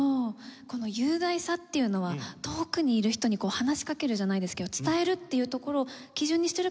この雄大さっていうのは遠くにいる人に話しかけるじゃないですけど伝えるっていうところを基準にしてるからこんなに。